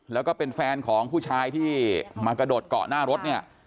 แล้วก็เป็นแฟนของผู้ชายที่มากระโดดเกาะหน้ารถเนี่ย